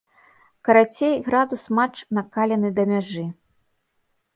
Карацей, градус матч накалены да мяжы.